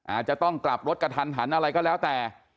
อาจจะต้องกลับรถกระทันหันอะไรก็แล้วแต่